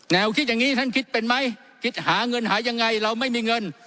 คิดอย่างนี้ท่านคิดเป็นไหมคิดหาเงินหายังไงเราไม่มีเงิน